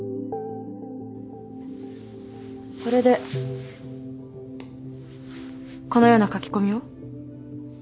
それでこのような書き込みを？